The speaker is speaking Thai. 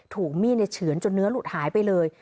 ถูกมีดในเฉือนจนเนื้อหลุดหายไปเลย